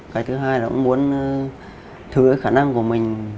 cái thứ hai là cũng muốn thừa cái khả năng của mình